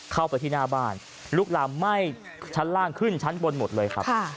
เข้าไปที่หน้าบ้านลุกลามไหม้ชั้นล่างขึ้นชั้นบนหมดเลยครับ